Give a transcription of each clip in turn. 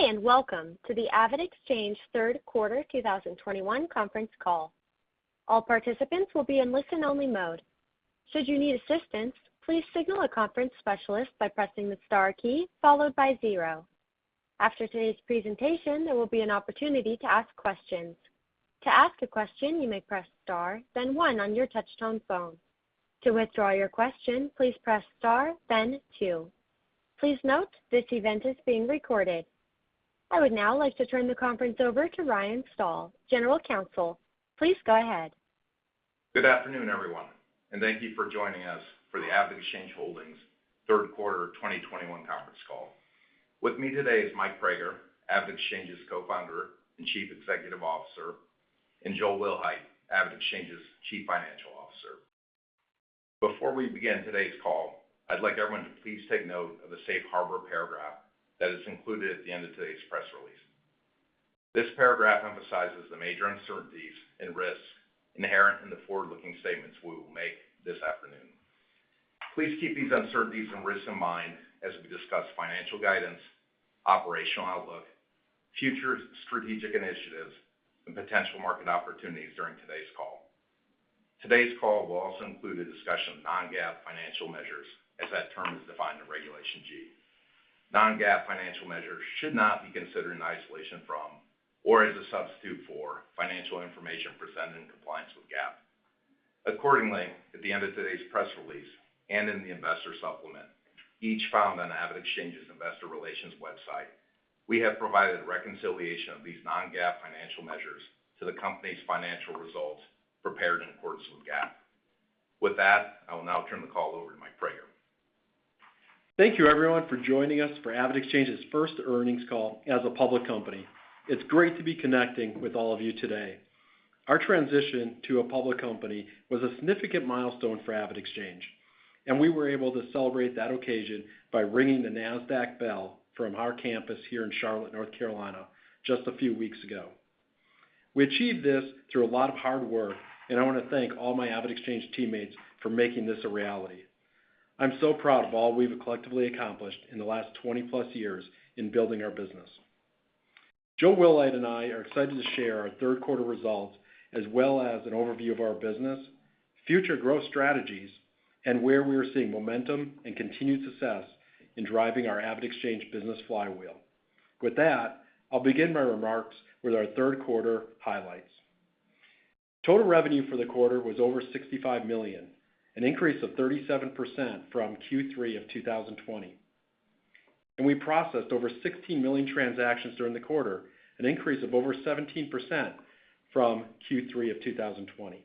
Hey, welcome to the AvidXchange third quarter 2021 conference call. All participants will be in listen-only mode. Should you need assistance, please signal a conference specialist by pressing the star key followed by zero. After today's presentation, there will be an opportunity to ask questions. To ask a question, you may press star then one on your touch-tone phone. To withdraw your question, please press star then two. Please note this event is being recorded. I would now like to turn the conference over to Ryan Stahl, General Counsel. Please go ahead. Good afternoon, everyone, and thank you for joining us for the AvidXchange Holdings third quarter 2021 conference call. With me today is Mike Praeger, AvidXchange's Co-Founder and Chief Executive Officer, and Joel Wilhite, AvidXchange's Chief Financial Officer. Before we begin today's call, I'd like everyone to please take note of the safe harbor paragraph that is included at the end of today's press release. This paragraph emphasizes the major uncertainties and risks inherent in the forward-looking statements we will make this afternoon. Please keep these uncertainties and risks in mind as we discuss financial guidance, operational outlook, future strategic initiatives, and potential market opportunities during today's call. Today's call will also include a discussion of non-GAAP financial measures as that term is defined in Regulation G. Non-GAAP financial measures should not be considered in isolation from or as a substitute for financial information presented in compliance with GAAP. Accordingly, at the end of today's press release and in the investor supplement, each found on AvidXchange's investor relations website, we have provided reconciliation of these non-GAAP financial measures to the company's financial results prepared in accordance with GAAP. With that, I will now turn the call over to Mike Praeger. Thank you everyone for joining us for AvidXchange's first earnings call as a public company. It's great to be connecting with all of you today. Our transition to a public company was a significant milestone for AvidXchange, and we were able to celebrate that occasion by ringing the NASDAQ bell from our campus here in Charlotte, North Carolina, just a few weeks ago. We achieved this through a lot of hard work, and I want to thank all my AvidXchange teammates for making this a reality. I'm so proud of all we've collectively accomplished in the last 20-plus years in building our business. Joel Wilhite and I are excited to share our third quarter results as well as an overview of our business, future growth strategies, and where we are seeing momentum and continued success in driving our AvidXchange business flywheel. With that, I'll begin my remarks with our third quarter highlights. Total revenue for the quarter was over $65 million, an increase of 37% from Q3 of 2020. We processed over 16 million transactions during the quarter, an increase of over 17% from Q3 of 2020.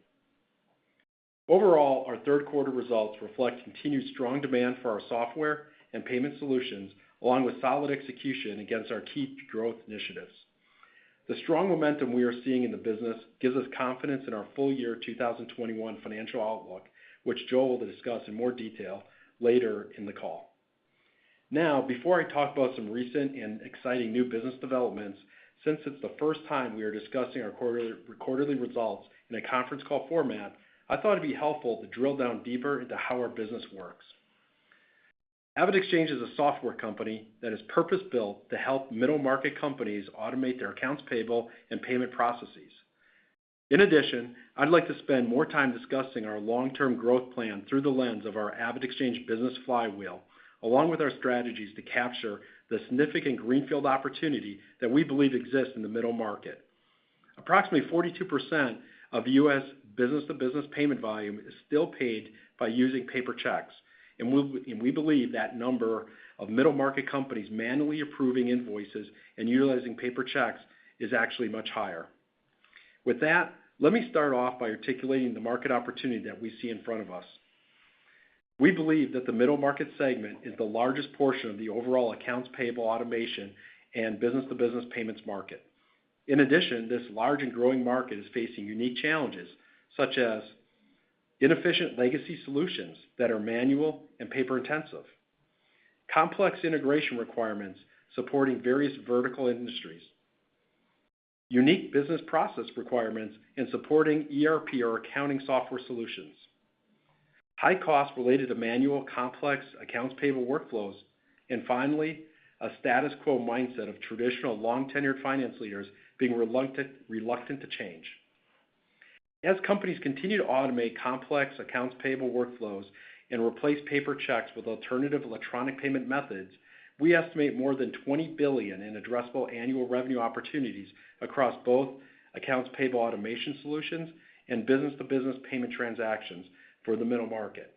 Overall, our third quarter results reflect continued strong demand for our software and payment solutions, along with solid execution against our key growth initiatives. The strong momentum we are seeing in the business gives us confidence in our full year 2021 financial outlook, which Joel will discuss in more detail later in the call. Now, before I talk about some recent and exciting new business developments, since it's the first time we are discussing our quarterly results in a conference call format, I thought it'd be helpful to drill down deeper into how our business works. AvidXchange is a software company that is purpose-built to help middle-market companies automate their accounts payable and payment processes. In addition, I'd like to spend more time discussing our long-term growth plan through the lens of our AvidXchange business flywheel, along with our strategies to capture the significant greenfield opportunity that we believe exists in the middle market. Approximately 42% of U.S. business-to-business payment volume is still paid by using paper checks. We believe that number of middle-market companies manually approving invoices and utilizing paper checks is actually much higher. With that, let me start off by articulating the market opportunity that we see in front of us. We believe that the middle market segment is the largest portion of the overall accounts payable automation and business-to-business payments market. In addition, this large and growing market is facing unique challenges, such as inefficient legacy solutions that are manual and paper-intensive, complex integration requirements supporting various vertical industries, unique business process requirements in supporting ERP or accounting software solutions, high costs related to manual complex accounts payable workflows, and finally, a status quo mindset of traditional long-tenured finance leaders being reluctant to change. As companies continue to automate complex accounts payable workflows and replace paper checks with alternative electronic payment methods, we estimate more than $20 billion in addressable annual revenue opportunities across both accounts payable automation solutions and business-to-business payment transactions for the middle market.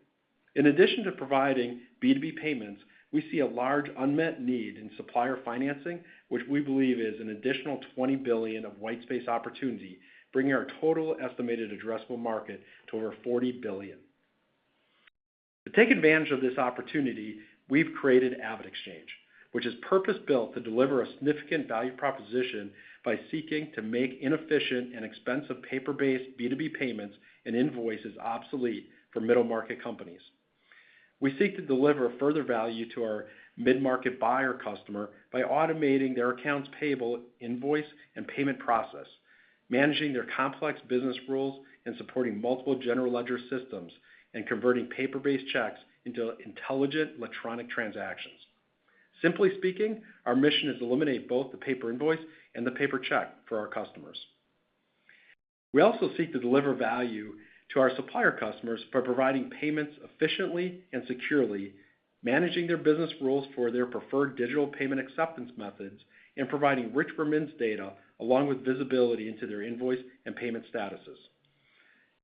In addition to providing B2B payments, we see a large unmet need in supplier financing, which we believe is an additional $20 billion of white space opportunity, bringing our total estimated addressable market to over $40 billion. To take advantage of this opportunity, we've created AvidXchange, which is purpose-built to deliver a significant value proposition by seeking to make inefficient and expensive paper-based B2B payments and invoices obsolete for middle-market companies. We seek to deliver further value to our mid-market buyer customer by automating their accounts payable, invoice, and payment process, managing their complex business rules and supporting multiple general ledger systems and converting paper-based checks into intelligent electronic transactions. Simply speaking, our mission is to eliminate both the paper invoice and the paper check for our customers. We also seek to deliver value to our supplier customers by providing payments efficiently and securely, managing their business rules for their preferred digital payment acceptance methods, and providing rich remittance data along with visibility into their invoice and payment statuses.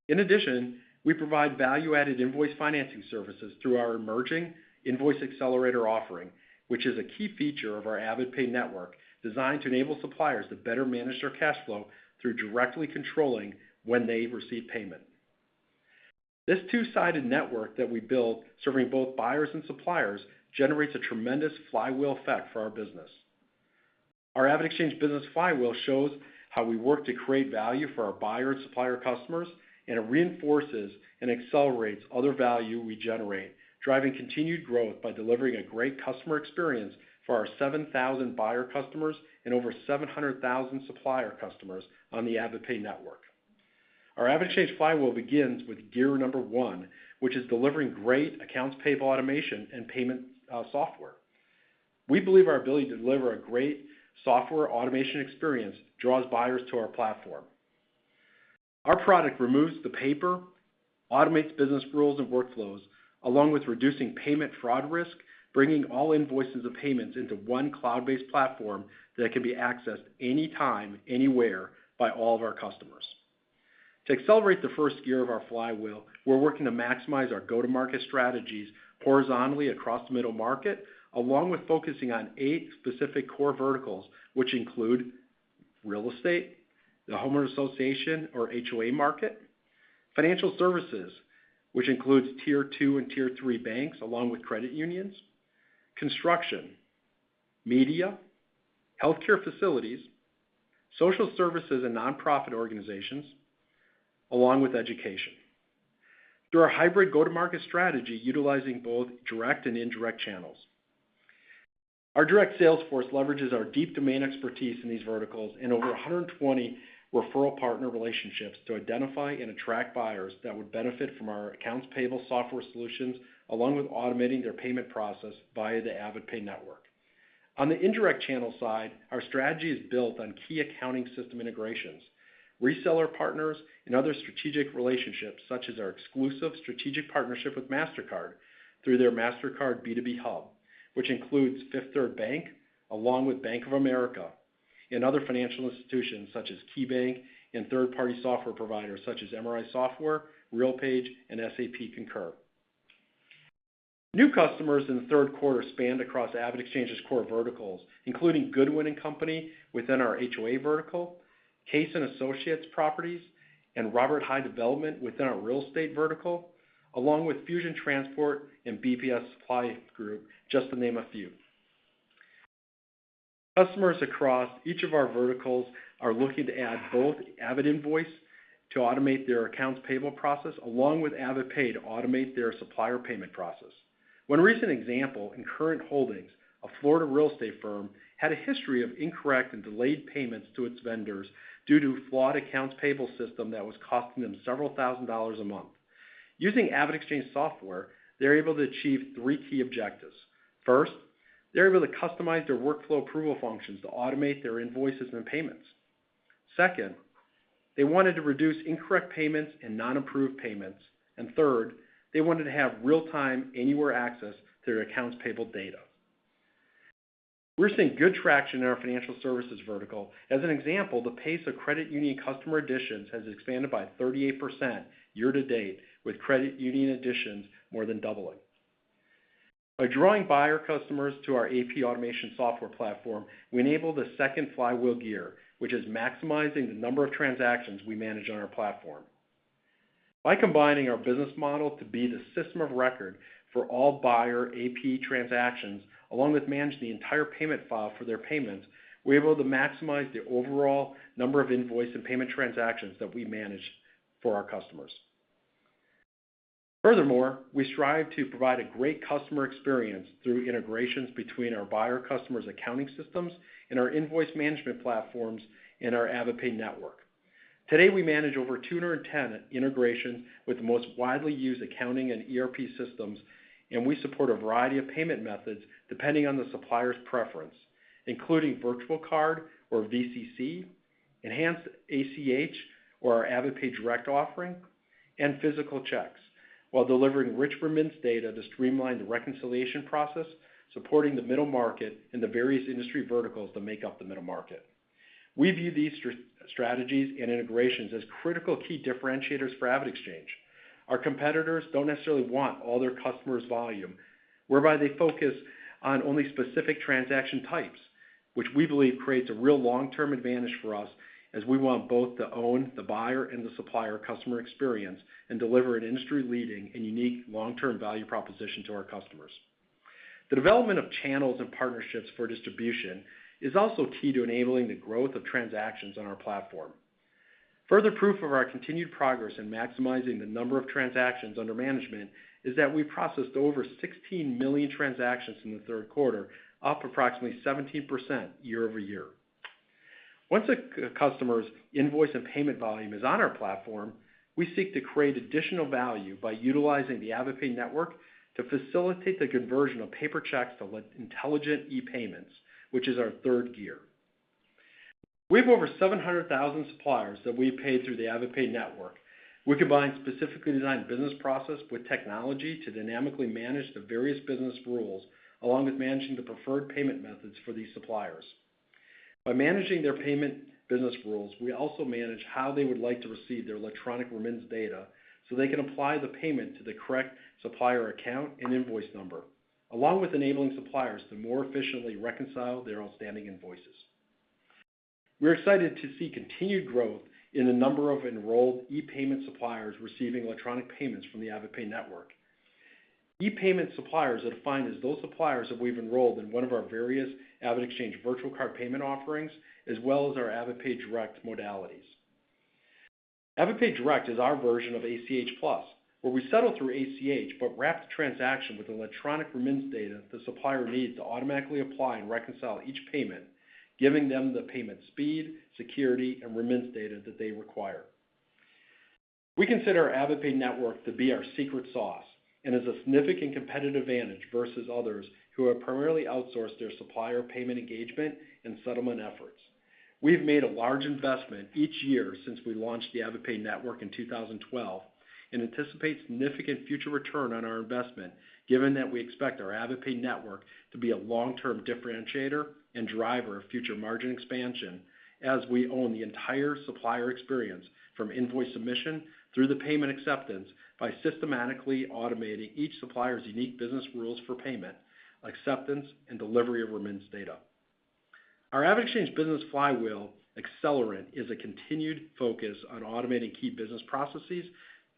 In addition, we provide value-added invoice financing services through our emerging Invoice Accelerator offering, which is a key feature of our AvidPay Network, designed to enable suppliers to better manage their cash flow through directly controlling when they receive payment. This two-sided network that we built, serving both buyers and suppliers, generates a tremendous flywheel effect for our business. Our AvidXchange business flywheel shows how we work to create value for our buyer and supplier customers, and it reinforces and accelerates other value we generate, driving continued growth by delivering a great customer experience for our 7,000 buyer customers and over 700,000 supplier customers on the AvidPay Network. Our AvidXchange flywheel begins with gear number one, which is delivering great accounts payable automation and payment software. We believe our ability to deliver a great software automation experience draws buyers to our platform. Our product removes the paper, automates business rules and workflows, along with reducing payment fraud risk, bringing all invoices and payments into one cloud-based platform that can be accessed anytime, anywhere by all of our customers. To accelerate the first gear of our flywheel, we're working to maximize our go-to-market strategies horizontally across the middle market, along with focusing on eight specific core verticals, which include real estate, the homeowner association, or HOA market, financial services, which includes Tier 2 and Tier 3 banks, along with credit unions, construction, media, healthcare facilities, social services and nonprofit organizations, along with education, through our hybrid go-to-market strategy, utilizing both direct and indirect channels. Our direct sales force leverages our deep domain expertise in these verticals and over 120 referral partner relationships to identify and attract buyers that would benefit from our accounts payable software solutions, along with automating their payment process via the AvidPay Network. On the indirect channel side, our strategy is built on key accounting system integrations, reseller partners, and other strategic relationships, such as our exclusive strategic partnership with Mastercard through their Mastercard B2B Hub, which includes Fifth Third Bank, along with Bank of America, and other financial institutions such as KeyBanc and third-party software providers such as MRI Software, RealPage, and SAP Concur. New customers in the third quarter spanned across AvidXchange's core verticals, including Goodwin & Company within our HOA vertical, Case & Associates Properties, and Hyde Development within our real estate vertical, along with Fusion Transport and BPS Supply Group, just to name a few. Customers across each of our verticals are looking to add both AvidInvoice to automate their accounts payable process along with AvidPay to automate their supplier payment process. One recent example, Incurrent Holdings, a Florida real estate firm, had a history of incorrect and delayed payments to its vendors due to a flawed accounts payable system that was costing them several thousand dollars a month. Using AvidXchange software, they're able to achieve three key objectives. First, they're able to customize their workflow approval functions to automate their invoices and payments. Second, they wanted to reduce incorrect payments and non-approved payments. Third, they wanted to have real-time, anywhere access to their accounts payable data. We're seeing good traction in our financial services vertical. As an example, the pace of credit union customer additions has expanded by 38% year to date, with credit union additions more than doubling. By drawing buyer customers to our AP automation software platform, we enable the second flywheel gear, which is maximizing the number of transactions we manage on our platform. By combining our business model to be the system of record for all buyer AP transactions, along with managing the entire payment file for their payments, we're able to maximize the overall number of invoice and payment transactions that we manage for our customers. Furthermore, we strive to provide a great customer experience through integrations between our buyer customers' accounting systems and our invoice management platforms in our AvidPay Network. Today, we manage over 210 integrations with the most widely used accounting and ERP systems, and we support a variety of payment methods depending on the supplier's preference, including virtual card, or VCC, enhanced ACH or our AvidPay Direct offering, and physical checks, while delivering rich remittance data to streamline the reconciliation process, supporting the middle market and the various industry verticals that make up the middle market. We view these strategies and integrations as critical key differentiators for AvidXchange. Our competitors don't necessarily want all their customers' volume, whereby they focus on only specific transaction types, which we believe creates a real long-term advantage for us, as we want both to own the buyer and the supplier customer experience and deliver an industry-leading and unique long-term value proposition to our customers. The development of channels and partnerships for distribution is also key to enabling the growth of transactions on our platform. Further proof of our continued progress in maximizing the number of transactions under management is that we processed over 16 million transactions in the third quarter, up approximately 17% year-over-year. Once a customer's invoice and payment volume is on our platform, we seek to create additional value by utilizing the AvidPay Network to facilitate the conversion of paper checks to intelligent e-payments, which is our third gear. We have over 700,000 suppliers that we pay through the AvidPay Network. We combine specifically designed business process with technology to dynamically manage the various business rules, along with managing the preferred payment methods for these suppliers. By managing their payment business rules, we also manage how they would like to receive their electronic remittance data, so they can apply the payment to the correct supplier account and invoice number, along with enabling suppliers to more efficiently reconcile their outstanding invoices. We're excited to see continued growth in the number of enrolled e-payment suppliers receiving electronic payments from the AvidPay Network. e-payment suppliers are defined as those suppliers that we've enrolled in one of our various AvidXchange virtual card payment offerings, as well as our AvidPay Direct modalities. AvidPay Direct is our version of ACH Plus, where we settle through ACH but wrap the transaction with electronic remittance data the supplier needs to automatically apply and reconcile each payment, giving them the payment speed, security, and remittance data that they require. We consider AvidPay Network to be our secret sauce, and is a significant competitive advantage versus others who have primarily outsourced their supplier payment engagement and settlement efforts. We've made a large investment each year since we launched the AvidPay Network in 2012 and anticipate significant future return on our investment, given that we expect our AvidPay Network to be a long-term differentiator and driver of future margin expansion as we own the entire supplier experience from invoice submission through the payment acceptance by systematically automating each supplier's unique business rules for payment, acceptance, and delivery of remittance data. Our AvidXchange business flywheel accelerant is a continued focus on automating key business processes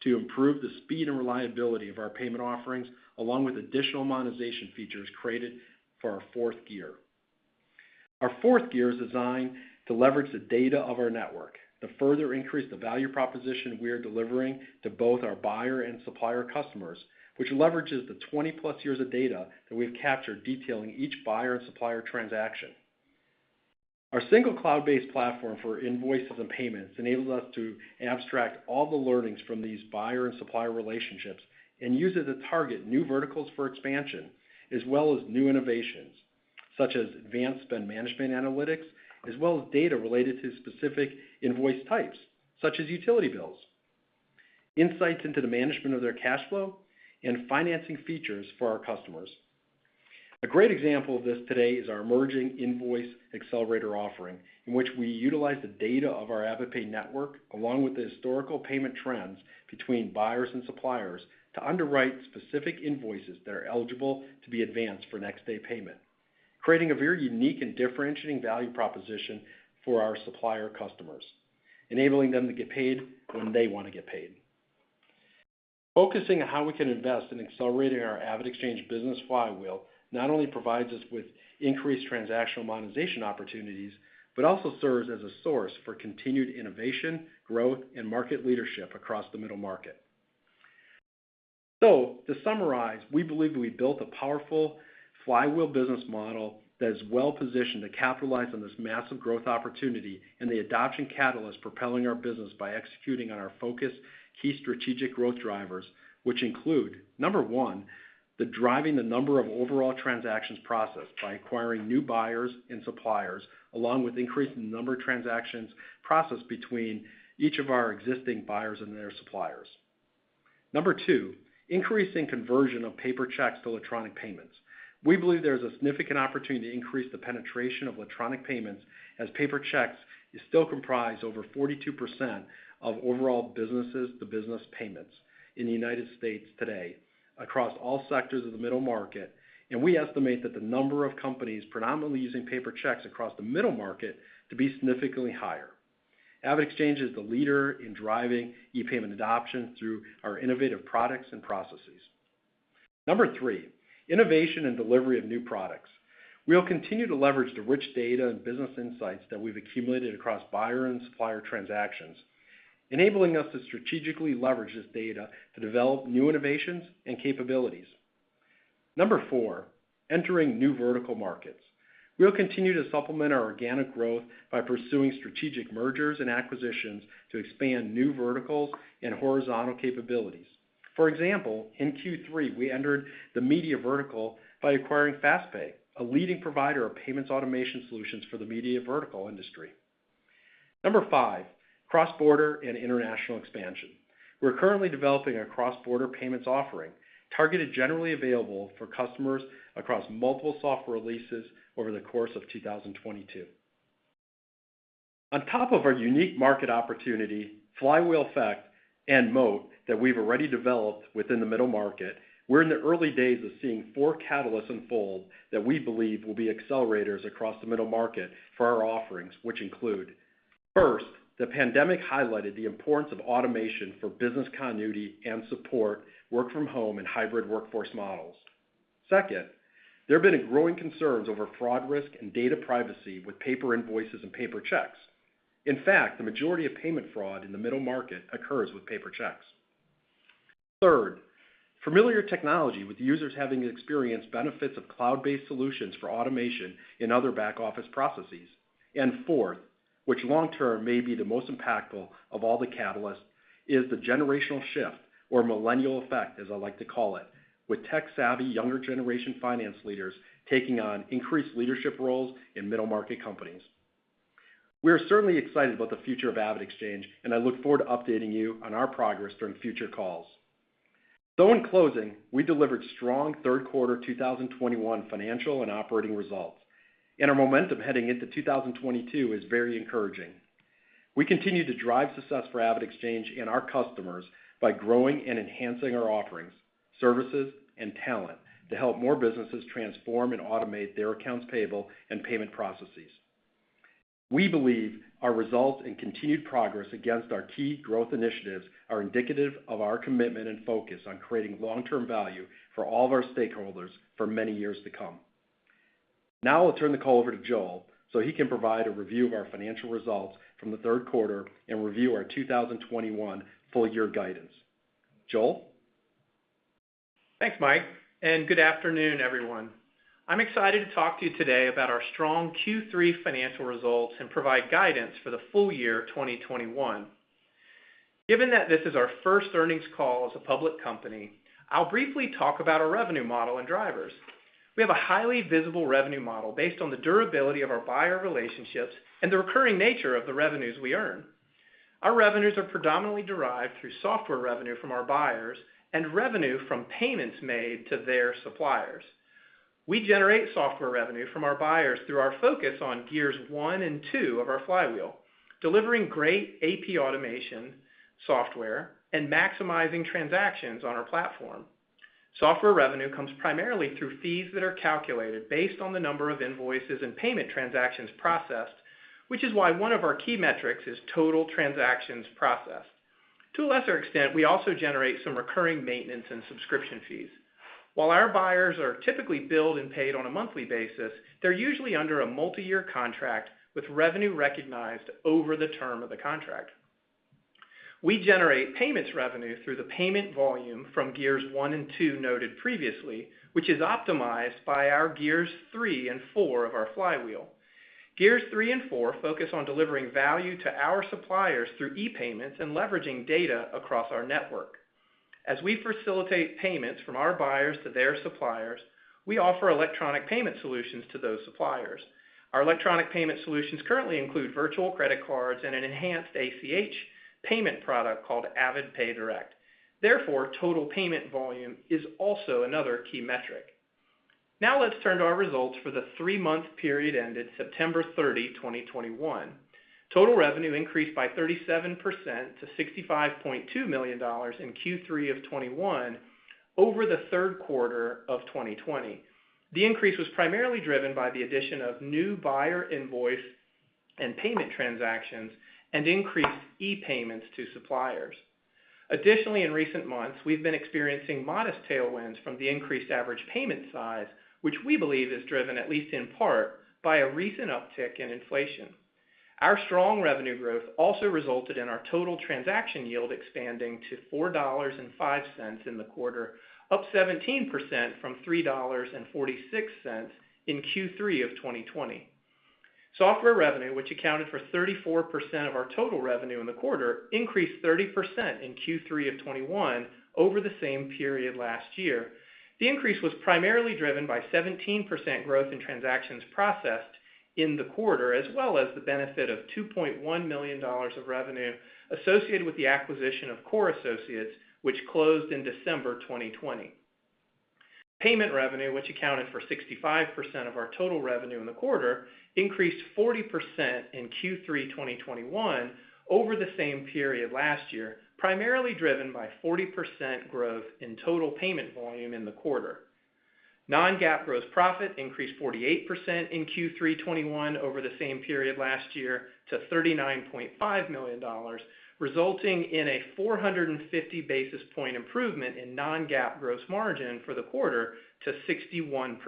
to improve the speed and reliability of our payment offerings, along with additional monetization features created for our fourth gear. Our fourth gear is designed to leverage the data of our network to further increase the value proposition we are delivering to both our buyer and supplier customers, which leverages the 20-plus years of data that we've captured detailing each buyer and supplier transaction. Our single cloud-based platform for invoices and payments enables us to abstract all the learnings from these buyer and supplier relationships and use it to target new verticals for expansion, as well as new innovations, such as advanced spend management analytics, as well as data related to specific invoice types, such as utility bills, insights into the management of their cash flow, and financing features for our customers. A great example of this today is our emerging Invoice Accelerator offering, in which we utilize the data of our AvidPay Network, along with the historical payment trends between buyers and suppliers, to underwrite specific invoices that are eligible to be advanced for next-day payment, creating a very unique and differentiating value proposition for our supplier customers, enabling them to get paid when they want to get paid. Focusing on how we can invest in accelerating our AvidXchange business flywheel not only provides us with increased transactional monetization opportunities, but also serves as a source for continued innovation, growth, and market leadership across the middle market. To summarize, we believe we built a powerful flywheel business model that is well-positioned to capitalize on this massive growth opportunity and the adoption catalyst propelling our business by executing on our focused key strategic growth drivers, which include, number one, driving the number of overall transactions processed by acquiring new buyers and suppliers, along with increasing the number of transactions processed between each of our existing buyers and their suppliers. Number two, increasing conversion of paper checks to electronic payments. We believe there's a significant opportunity to increase the penetration of electronic payments as paper checks still comprise over 42% of overall business-to-business payments in the United States today across all sectors of the middle market. We estimate that the number of companies predominantly using paper checks across the middle market to be significantly higher. AvidXchange is the leader in driving e-payment adoption through our innovative products and processes. Number three, innovation and delivery of new products. We'll continue to leverage the rich data and business insights that we've accumulated across buyer and supplier transactions, enabling us to strategically leverage this data to develop new innovations and capabilities. Number four, entering new vertical markets. We'll continue to supplement our organic growth by pursuing strategic mergers and acquisitions to expand new verticals and horizontal capabilities. For example, in Q3, we entered the media vertical by acquiring FastPay, a leading provider of payments automation solutions for the media vertical industry. Number five, cross-border and international expansion. We're currently developing a cross-border payments offering targeted for general availability for customers across multiple software leases over the course of 2022. On top of our unique market opportunity, flywheel effect, and moat that we've already developed within the middle market, we're in the early days of seeing four catalysts unfold that we believe will be accelerators across the middle market for our offerings, which include, first, the pandemic highlighted the importance of automation for business continuity and support, work from home, and hybrid workforce models. Second, there have been growing concerns over fraud risk and data privacy with paper invoices and paper checks. In fact, the majority of payment fraud in the middle market occurs with paper checks. Third, familiar technology with users having experienced benefits of cloud-based solutions for automation in other back-office processes. Fourth, which long-term may be the most impactful of all the catalysts, is the generational shift, or millennial effect, as I like to call it, with tech-savvy younger generation finance leaders taking on increased leadership roles in middle market companies. We are certainly excited about the future of AvidXchange, and I look forward to updating you on our progress during future calls. In closing, we delivered strong third quarter 2021 financial and operating results, and our momentum heading into 2022 is very encouraging. We continue to drive success for AvidXchange and our customers by growing and enhancing our offerings, services, and talent to help more businesses transform and automate their accounts payable and payment processes. We believe our results and continued progress against our key growth initiatives are indicative of our commitment and focus on creating long-term value for all of our stakeholders for many years to come. Now I'll turn the call over to Joel so he can provide a review of our financial results from the third quarter and review our 2021 full year guidance. Joel? Thanks, Mike, and good afternoon, everyone. I'm excited to talk to you today about our strong Q3 financial results and provide guidance for the full year 2021. Given that this is our first earnings call as a public company, I'll briefly talk about our revenue model and drivers. We have a highly visible revenue model based on the durability of our buyer relationships and the recurring nature of the revenues we earn. Our revenues are predominantly derived through software revenue from our buyers and revenue from payments made to their suppliers. We generate software revenue from our buyers through our focus on gears one and two of our flywheel, delivering great AP automation software and maximizing transactions on our platform. Software revenue comes primarily through fees that are calculated based on the number of invoices and payment transactions processed, which is why one of our key metrics is total transactions processed. To a lesser extent, we also generate some recurring maintenance and subscription fees. While our buyers are typically billed and paid on a monthly basis, they're usually under a multiyear contract with revenue recognized over the term of the contract. We generate payments revenue through the payment volume from gears one and two noted previously, which is optimized by our gears three and four of our flywheel. Gears three and four focus on delivering value to our suppliers through e-payments and leveraging data across our network. As we facilitate payments from our buyers to their suppliers, we offer electronic payment solutions to those suppliers. Our electronic payment solutions currently include virtual credit cards and an enhanced ACH payment product called AvidPay Direct. Therefore, Total Payment Volume is also another key metric. Now let's turn to our results for the three-month period ended September 30, 2021. Total revenue increased by 37% to $65.2 million in Q3 of 2021 over the third quarter of 2020. The increase was primarily driven by the addition of new buyer invoice and payment transactions and increased e-payments to suppliers. Additionally, in recent months, we've been experiencing modest tailwinds from the increased average payment size, which we believe is driven, at least in part, by a recent uptick in inflation. Our strong revenue growth also resulted in our total transaction yield expanding to $4.05 in the quarter, up 17% from $3.46 in Q3 of 2020. Software revenue, which accounted for 34% of our total revenue in the quarter, increased 30% in Q3 of 2021 over the same period last year. The increase was primarily driven by 17% growth in transactions processed in the quarter, as well as the benefit of $2.1 million of revenue associated with the acquisition of Core Associates, which closed in December 2020. Payment revenue, which accounted for 65% of our total revenue in the quarter, increased 40% in Q3 2021 over the same period last year, primarily driven by 40% growth in total payment volume in the quarter. Non-GAAP gross profit increased 48% in Q3 2021 over the same period last year to $39.5 million, resulting in a 450 basis point improvement in non-GAAP gross margin for the quarter to 61%.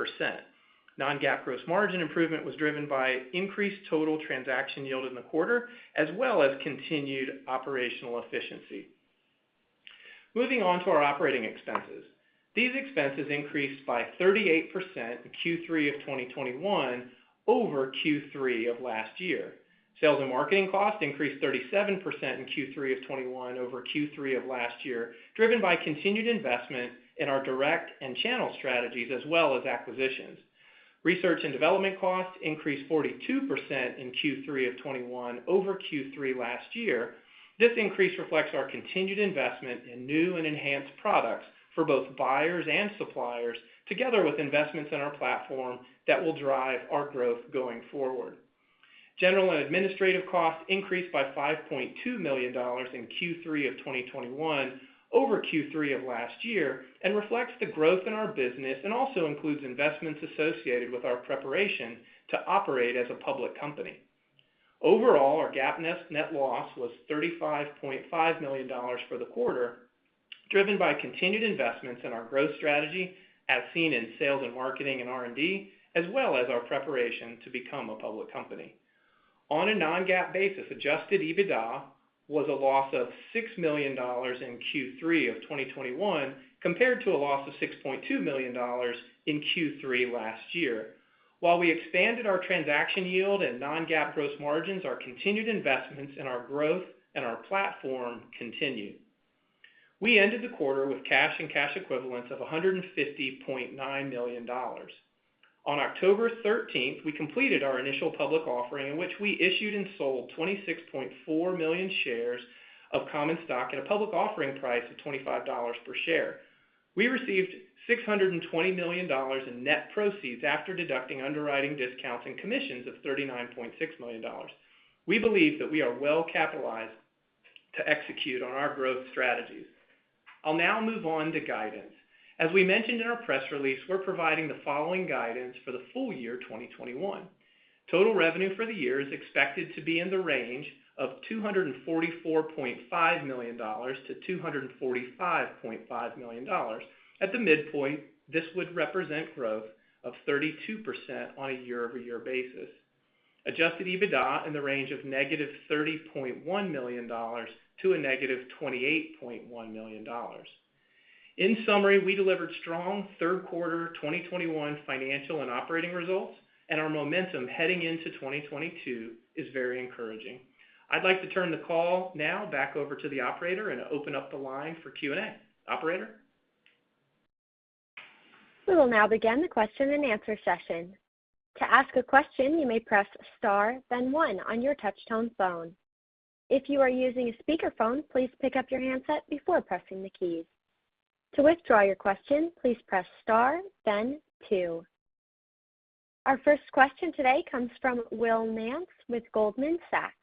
non-GAAP gross margin improvement was driven by increased total transaction yield in the quarter, as well as continued operational efficiency. Moving on to our operating expenses. These expenses increased by 38% in Q3 of 2021 over Q3 of last year. Sales and marketing costs increased 37% in Q3 of 2021 over Q3 of last year, driven by continued investment in our direct and channel strategies as well as acquisitions. Research and development costs increased 42% in Q3 of 2021 over Q3 last year. This increase reflects our continued investment in new and enhanced products for both buyers and suppliers, together with investments in our platform that will drive our growth going forward. General and administrative costs increased by $5.2 million in Q3 of 2021 over Q3 of last year and reflect the growth in our business and also includes investments associated with our preparation to operate as a public company. Overall, our GAAP net loss was $35.5 million for the quarter, driven by continued investments in our growth strategy, as seen in sales and marketing and R&D, as well as our preparation to become a public company. On a non-GAAP basis, adjusted EBITDA was a loss of $6 million in Q3 of 2021 compared to a loss of $6.2 million in Q3 last year. While we expanded our transaction yield and non-GAAP gross margins, our continued investments in our growth and our platform continued. We ended the quarter with cash and cash equivalents of $150.9 million. On October 13, we completed our initial public offering, in which we issued and sold 26.4 million shares of common stock at a public offering price of $25 per share. We received $620 million in net proceeds after deducting underwriting discounts and commissions of $39.6 million. We believe that we are well capitalized to execute on our growth strategies. I'll now move on to guidance. As we mentioned in our press release, we're providing the following guidance for the full year 2021. Total revenue for the year is expected to be in the range of $244.5 million-$245.5 million. At the midpoint, this would represent growth of 32% on a year-over-year basis. Adjusted EBITDA in the range of -$30.1 million to -$28.1 million. In summary, we delivered strong third quarter 2021 financial and operating results, and our momentum heading into 2022 is very encouraging. I'd like to turn the call now back over to the operator and open up the line for Q&A. Operator? We will now begin the question-and-answer session. To ask a question, you may press star, then one on your touch tone phone. If you are using a speakerphone, please pick up your handset before pressing the keys. To withdraw your question, please press star, then two. Our first question today comes from Will Nance with Goldman Sachs.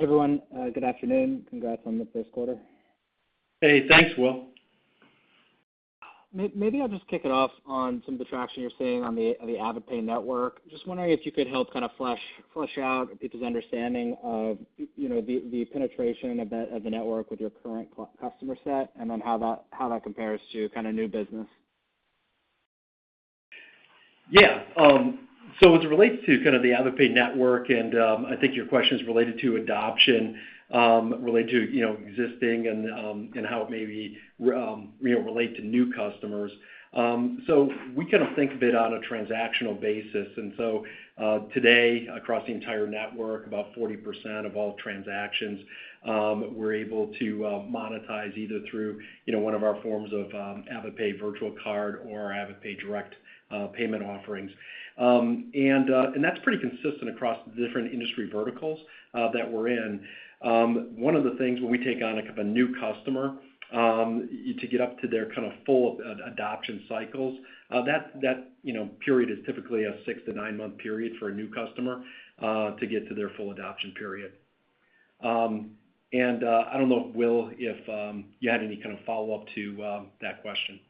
Everyone, good afternoon. Congrats on the first quarter. Hey, thanks, Will. Maybe I'll just kick it off on some of the traction you're seeing on the AvidPay network. Just wondering if you could help kind of flash out people's understanding of, you know, the penetration of the network with your current customer set, and then how that compares to kind of new business. Yeah. As it relates to kind of the AvidPay network, and I think your question is related to adoption related to you know existing and how it maybe relate to new customers. We kind of think of it on a transactional basis. Today, across the entire network, about 40% of all transactions we're able to monetize either through you know one of our forms of AvidPay virtual card or our AvidPay Direct payment offerings. That's pretty consistent across the different industry verticals that we're in. One of the things when we take on like a new customer, to get up to their kind of full adoption cycles, that you know period is typically a six to nine-month period for a new customer to get to their full adoption period. I don't know, Will, if you had any kind of follow-up to that question.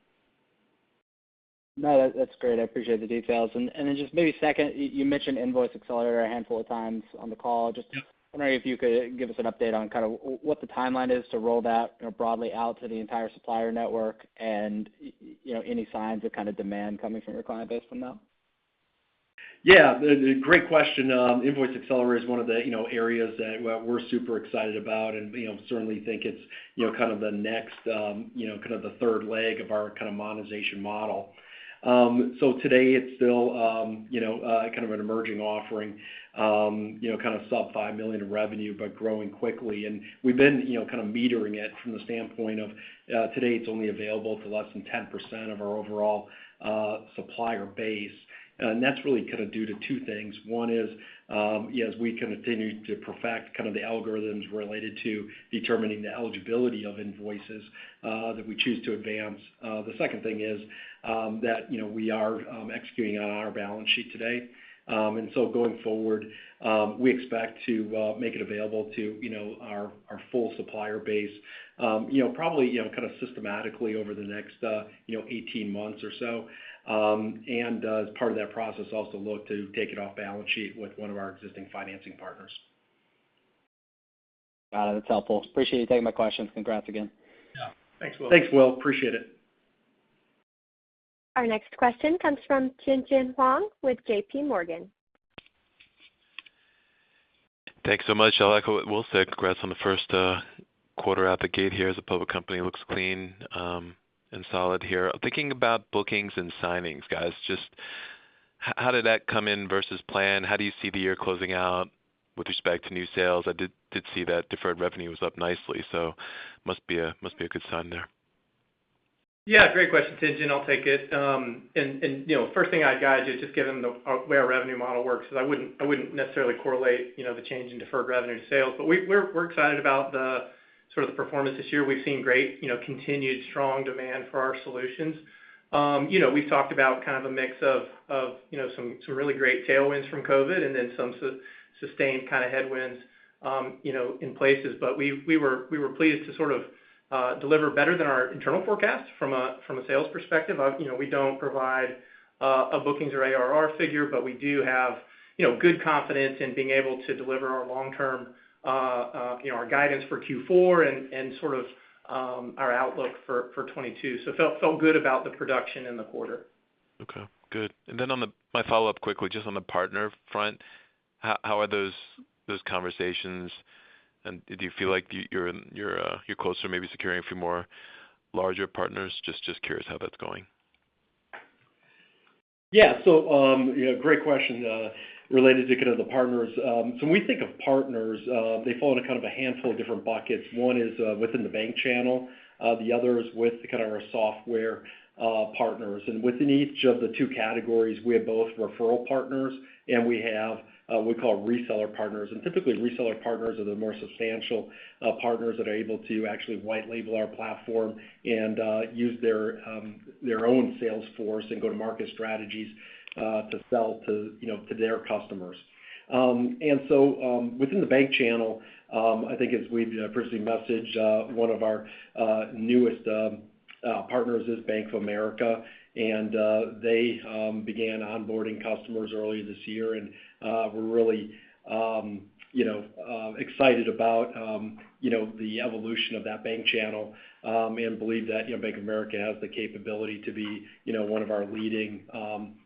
No. That's great. I appreciate the details. Just maybe second, you mentioned Invoice Accelerator a handful of times on the call. Yeah. Just wondering if you could give us an update on kind of what the timeline is to roll that, you know, broadly out to the entire supplier network and, you know, any signs of kind of demand coming from your client base from them. Yeah. Great question. Invoice Accelerator is one of the, you know, areas that we're super excited about and, you know, certainly think it's, you know, kind of the next, you know, kind of the third leg of our kind of monetization model. So today it's still, you know, kind of an emerging offering, you know, kind of sub $5 million in revenue, but growing quickly. We've been, you know, kind of metering it from the standpoint of, today it's only available to less than 10% of our overall, supplier base. That's really kind of due to two things. One is, as we continue to perfect kind of the algorithms related to determining the eligibility of invoices, that we choose to advance. The second thing is that, you know, we are executing on our balance sheet today. Going forward, we expect to make it available to, you know, our full supplier base, you know, probably, you know, kind of systematically over the next, you know, 18 months or so. As part of that process, also look to take it off balance sheet with one of our existing financing partners. Got it. That's helpful. Appreciate you taking my questions. Congrats again. Yeah. Thanks, Will. Thanks, Will. Appreciate it. Our next question comes from Tien-Tsin Huang with JPMorgan. Thanks so much. I'll echo what Will said. Congrats on the first quarter out the gate here as a public company. It looks clean and solid here. Thinking about bookings and signings, guys, just how did that come in versus plan? How do you see the year closing out with respect to new sales? I did see that deferred revenue was up nicely, so must be a good sign there. Yeah, great question, Tien-Tsin. I'll take it. You know, first thing I'd guide you is just give you the way our revenue model works, 'cause I wouldn't necessarily correlate, you know, the change in deferred revenue to sales. We're excited about the sort of the performance this year. We've seen great, you know, continued strong demand for our solutions. You know, we've talked about kind of a mix of, you know, some really great tailwinds from COVID and then some sustained kind of headwinds, you know, in places. We were pleased to sort of deliver better than our internal forecast from a sales perspective. You know, we don't provide a bookings or ARR figure, but we do have, you know, good confidence in being able to deliver our long-term, you know, our guidance for Q4 and sort of our outlook for 2022. Felt good about the production in the quarter. Okay, good. On my follow-up, quickly, just on the partner front, how are those conversations, and do you feel like you're closer to maybe securing a few more larger partners? Just curious how that's going. Yeah. Great question related to kind of the partners. When we think of partners, they fall into kind of a handful of different buckets. One is within the bank channel, the other is with kind of our software partners. Within each of the two categories, we have both referral partners and we call reseller partners. Typically reseller partners are the more substantial partners that are able to actually white label our platform and use their own sales force and go-to-market strategies to sell to, you know, to their customers. Within the bank channel, I think as we've previously messaged, one of our newest partners is Bank of America, and they began onboarding customers earlier this year. We're really, you know, excited about, you know, the evolution of that bank channel, and believe that, you know, Bank of America has the capability to be, you know, one of our leading,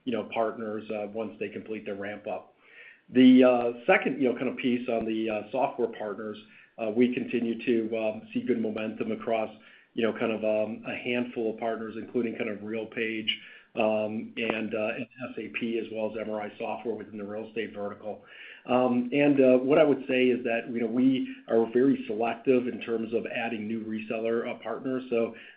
you know, partners, once they complete their ramp up. The second, you know, kind of piece on the software partners, we continue to see good momentum across, you know, kind of, a handful of partners, including kind of RealPage, and SAP as well as MRI Software within the real estate vertical. What I would say is that, you know, we are very selective in terms of adding new reseller partners.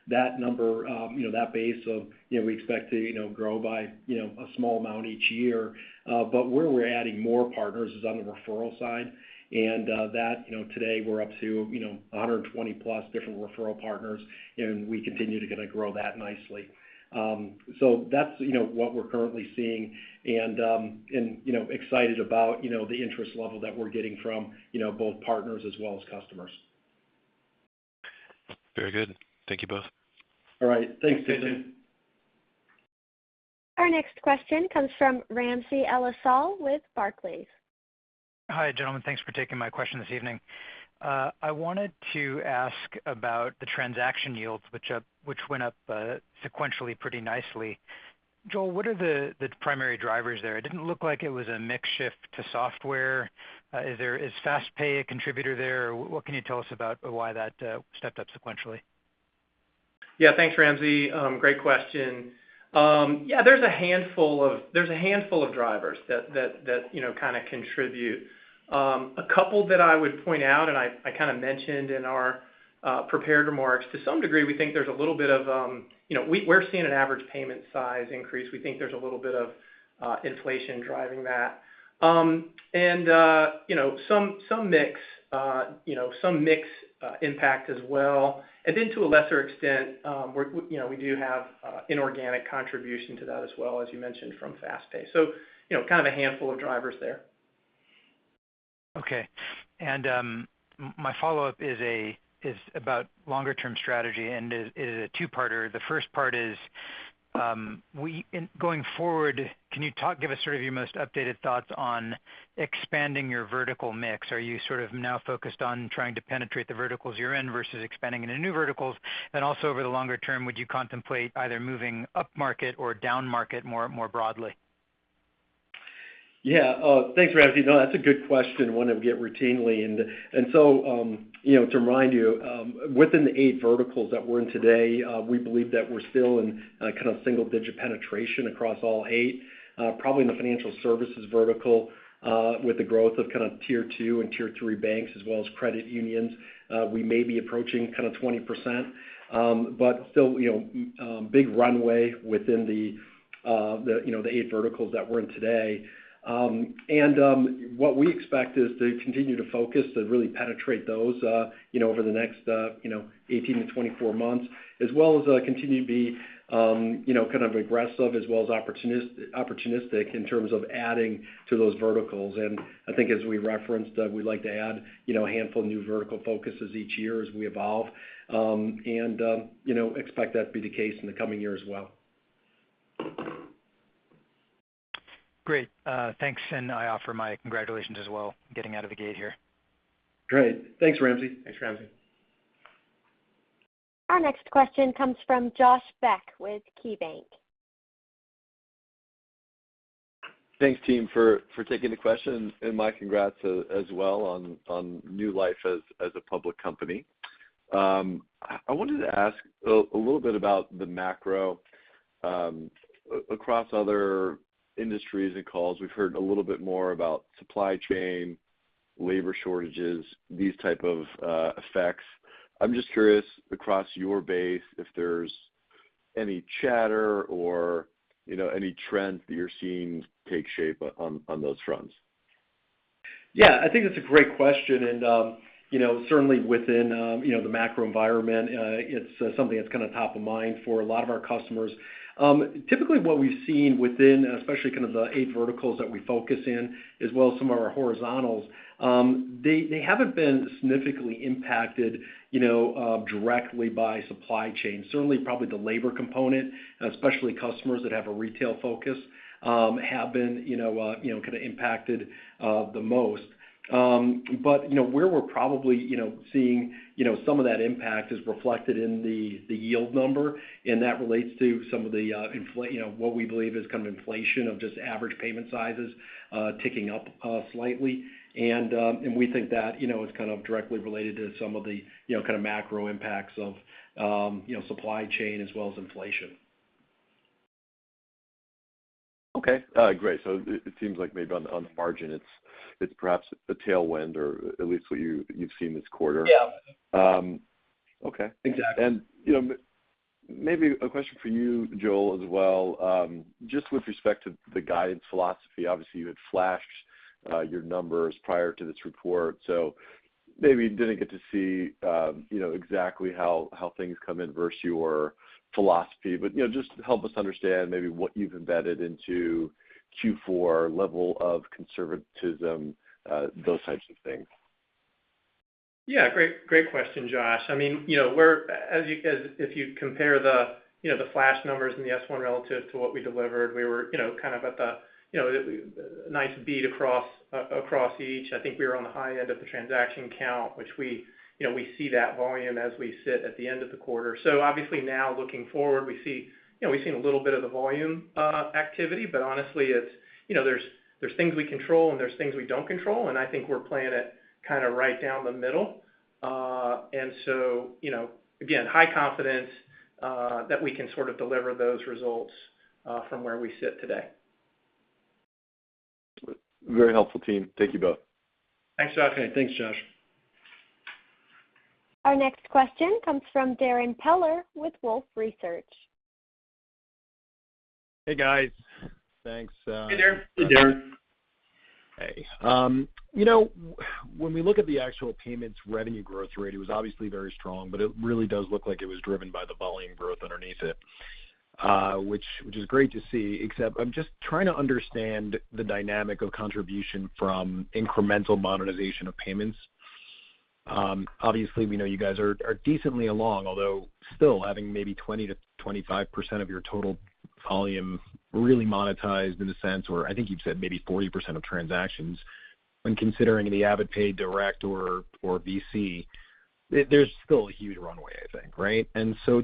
That number, you know, that base of, you know, we expect to, you know, grow by, you know, a small amount each year. Where we're adding more partners is on the referral side. That, you know, today we're up to, you know, 120-plus different referral partners, and we continue to kinda grow that nicely. That's, you know, what we're currently seeing and, you know, excited about, you know, the interest level that we're getting from, you know, both partners as well as customers. Very good. Thank you both. All right. Thanks, Tien-Tsin. Our next question comes from Ramsey El-Assal with Barclays. Hi, gentlemen. Thanks for taking my question this evening. I wanted to ask about the transaction yields which went up sequentially pretty nicely. Joel, what are the primary drivers there? It didn't look like it was a mix shift to software. Is FastPay a contributor there? What can you tell us about why that stepped up sequentially? Yeah, thanks, Ramsey. Great question. Yeah, there's a handful of drivers that you know kinda contribute. A couple that I would point out, and I kinda mentioned in our prepared remarks, to some degree, we think there's a little bit of you know we're seeing an average payment size increase. We think there's a little bit of inflation driving that. And you know some mix impact as well. To a lesser extent, you know we do have inorganic contribution to that as well, as you mentioned from FastPay. You know kind of a handful of drivers there. Okay. My follow-up is about longer-term strategy and is a two-parter. The first part is going forward. Can you talk, give us sort of your most updated thoughts on expanding your vertical mix? Are you sort of now focused on trying to penetrate the verticals you're in versus expanding into new verticals? Also over the longer-term, would you contemplate either moving upmarket or downmarket more broadly? Yeah. Thanks, Ramsey. No, that's a good question, one I get routinely. You know, to remind you, within the eight verticals that we're in today, we believe that we're still in kind of single digit penetration across all eight. Probably in the financial services vertical, with the growth of kind of Tier 2 and Tier 3 banks as well as credit unions, we may be approaching kind of 20%. Still, you know, big runway within the you know the eight verticals that we're in today. What we expect is to continue to focus to really penetrate those, you know, over the next 18-24 months, as well as continue to be, you know, kind of aggressive as well as opportunistic in terms of adding to those verticals. I think as we referenced, we like to add, you know, a handful of new vertical focuses each year as we evolve, and, you know, expect that to be the case in the coming year as well. Great. Thanks. I offer my congratulations as well, getting out of the gate here. Great. Thanks, Ramsey. Thanks, Ramsey. Our next question comes from Josh Beck with KeyBanc. Thanks, team, for taking the question, and my congrats as well on new life as a public company. I wanted to ask a little bit about the macro. Across other industries and calls, we've heard a little bit more about supply chain, labor shortages, these type of effects. I'm just curious across your base if there's any chatter or, you know, any trends that you're seeing take shape on those fronts. Yeah, I think that's a great question. You know, certainly within, you know, the macro environment, it's something that's kind of top of mind for a lot of our customers. Typically what we've seen within, especially kind of the eight verticals that we focus in, as well as some of our horizontals, they haven't been significantly impacted, you know, directly by supply chain. Certainly probably the labor component, especially customers that have a retail focus, have been, you know, kind of impacted, the most. You know, where we're probably, you know, seeing some of that impact is reflected in the yield number, and that relates to some of the, you know, what we believe is kind of inflation of just average payment sizes, ticking up, slightly. We think that, you know, is kind of directly related to some of the, you know, kind of macro impacts of supply chain as well as inflation. Okay, great. It seems like maybe on the margin it's perhaps a tailwind or at least what you've seen this quarter. Yeah. Okay. Exactly. You know, maybe a question for you, Joel, as well, just with respect to the guidance philosophy. Obviously, you had flashed your numbers prior to this report, so maybe didn't get to see you know, exactly how things come in versus your philosophy. You know, just help us understand maybe what you've embedded into Q4 level of conservatism, those types of things. Yeah, great question, Josh. I mean, you know, as if you compare the, you know, the flash numbers in the S1 relative to what we delivered, we were, you know, kind of at the, you know, nice beat across across each. I think we were on the high end of the transaction count, which we, you know, we see that volume as we sit at the end of the quarter. So obviously now looking forward, we see, you know, we've seen a little bit of the volume activity, but honestly it's you know, there's things we control and there's things we don't control, and I think we're playing it kinda right down the middle. You know, again, high confidence that we can sort of deliver those results from where we sit today. Very helpful, team. Thank you both. Thanks, Josh. Okay, thanks, Josh. Our next question comes from Darrin Peller with Wolfe Research. Hey, guys. Thanks. Hey, Darrin. Hey, Darrin. Hey. You know, when we look at the actual payments revenue growth rate, it was obviously very strong, but it really does look like it was driven by the volume growth underneath it, which is great to see, except I'm just trying to understand the dynamic of contribution from incremental monetization of payments. Obviously we know you guys are decently along, although still having maybe 20%-25% of your total volume really monetized in a sense, or I think you've said maybe 40% of transactions when considering the AvidPay Direct or VC, there's still a huge runway, I think, right?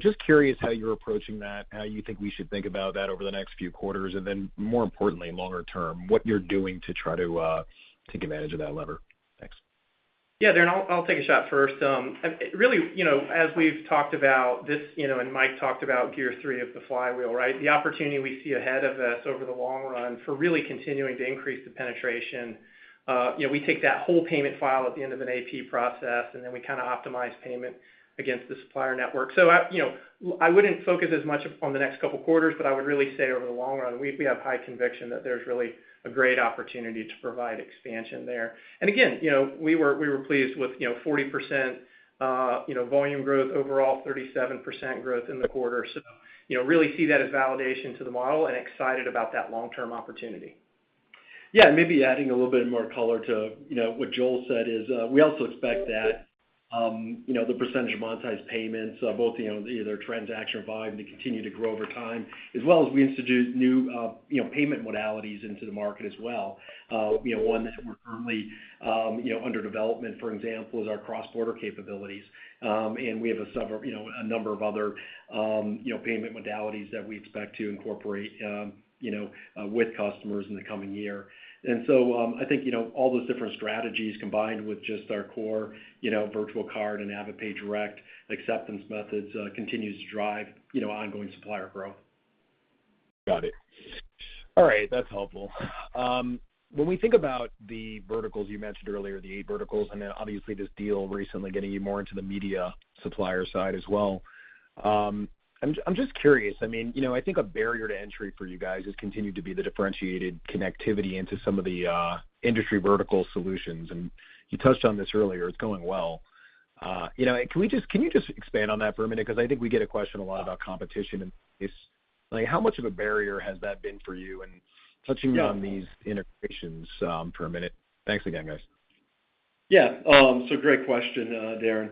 Just curious how you're approaching that, how you think we should think about that over the next few quarters, and then more importantly, longer-term, what you're doing to try to take advantage of that lever. Thanks. Yeah, Darrin, I'll take a shot first. Really, you know, as we've talked about this, you know, and Mike talked about gear three of the flywheel, right? The opportunity we see ahead of us over the long run for really continuing to increase the penetration, you know, we take that whole payment file at the end of an AP process, and then we kinda optimize payment against the supplier network. So I, you know, I wouldn't focus as much on the next couple quarters, but I would really say over the long run, we have high conviction that there's really a great opportunity to provide expansion there. Again, you know, we were pleased with, you know, 40%, you know, volume growth overall, 37% growth in the quarter. You know, really see that as validation to the model and excited about that long-term opportunity. Yeah, maybe adding a little bit more color to, you know, what Joel said is, we also expect that, you know, the percentage of monetized payments, both, you know, either transaction volume to continue to grow over time, as well as we institute new, you know, payment modalities into the market as well. One that we're currently under development, for example, is our cross-border capabilities. We have several, you know, a number of other, you know, payment modalities that we expect to incorporate, you know, with customers in the coming year. I think, you know, all those different strategies combined with just our core, you know, virtual card and AvidPay Direct acceptance methods, continues to drive, you know, ongoing supplier growth. Got it. All right. That's helpful. When we think about the verticals, you mentioned earlier the eight verticals, and then obviously this deal recently getting you more into the media supplier side as well. I'm just curious, I mean, you know, I think a barrier to entry for you guys has continued to be the differentiated connectivity into some of the industry vertical solutions. You touched on this earlier, it's going well. You know, can you just expand on that for a minute? 'Cause I think we get a question a lot about competition and this, like, how much of a barrier has that been for you and touching- Yeah. on these integrations, for a minute? Thanks again, guys. Yeah. Great question, Darrin.